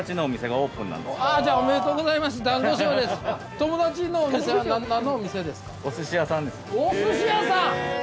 おすし屋さん！？